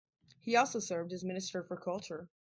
He also served as Minister for Culture.